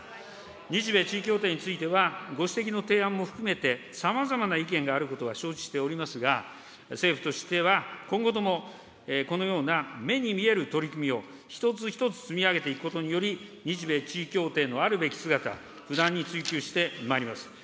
日米地位協定については、ご指摘の提案も含めて、さまざまな意見があることは承知しておりますが、政府としては、今後ともこのような目に見える取り組みを一つ一つ積み上げていくことにより、日米地位協定のあるべき姿、不断に追求してまいります。